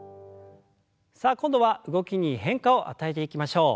さあ今度は動きに変化を与えていきましょう。